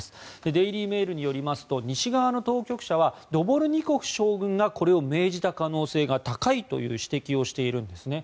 デイリー・メールによりますと西側の当局者はドボルニコフ将軍がこれを命じた可能性が高いという指摘をしているんですね。